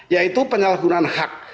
yaitu penyalahgunaan hak